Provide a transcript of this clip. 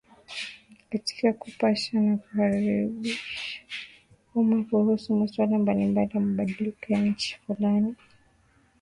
katika kupasha na kuhabarisha umma kuhusu maswala mbalimbali ya mabadiliko ya nchi fulani